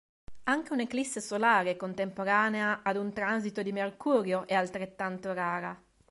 Anche un'eclisse solare contemporanea ad un transito di Mercurio è altrettanto rara.